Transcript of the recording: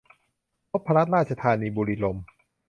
นพรัตน์ราชธานี บุรีรมย์